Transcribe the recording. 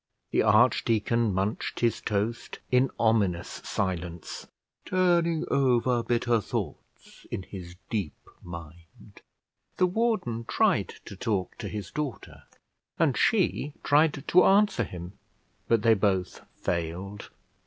The archdeacon munched his toast in ominous silence, turning over bitter thoughts in his deep mind. The warden tried to talk to his daughter, and she tried to answer him; but they both failed.